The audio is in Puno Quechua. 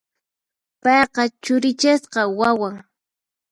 Payqa churichasqa wawan.